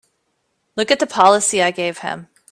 Look at the policy I gave him!